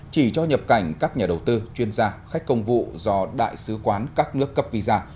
chỉ cho nhập cảnh các nhà đầu tư chuyên gia khách công vụ do đại sứ quán các nước cấp visa